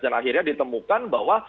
dan akhirnya ditemukan bahwa